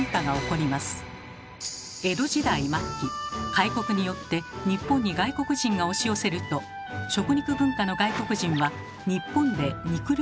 江戸時代末期開国によって日本に外国人が押し寄せると食肉文化の外国人は日本で肉料理を食べました。